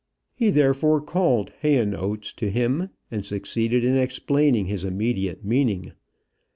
He therefore called Hayonotes to him, and succeeded in explaining his immediate meaning.